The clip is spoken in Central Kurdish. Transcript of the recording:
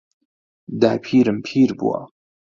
داپیرم پیر بووە.